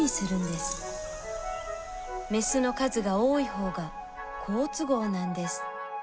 メスの数が多い方が好都合なんです。